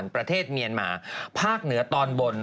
ประเทศเวียดนามตอนบน